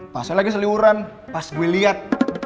masa lagi seliuran pas gue liat